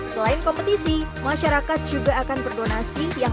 selain kompetisi masyarakat juga akan berdonasi yang